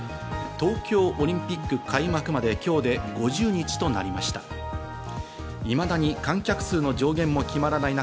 東京オリンピック開幕まで今日で５０日となりました。